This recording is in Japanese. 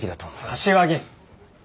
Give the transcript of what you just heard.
柏木！